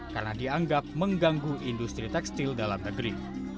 karena dianggap mengganggu industri tekstil dalam negeri